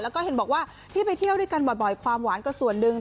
แล้วก็เห็นบอกว่าที่ไปเที่ยวด้วยกันบ่อยความหวานก็ส่วนหนึ่ง